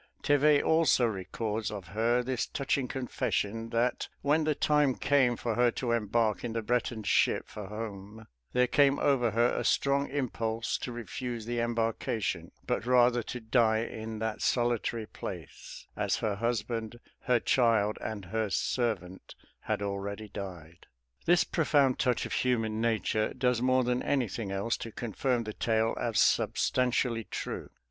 Thevet also records of her this touching confession, that when the time came for her to embark, in the Breton ship, for home, there came over her a strong impulse to refuse the embarkation, but rather to die in that solitary place, as her husband, her child, and her servant had already died. This profound touch of human nature does more than anything else to confirm the tale as substantially true.